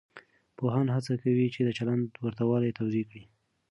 پوهان هڅه کوي چې د چلند ورته والی توضیح کړي.